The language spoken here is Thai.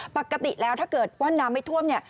ปกติแล้วถ้าเกิดว่าน้ำไม่ท่วมเนี่ย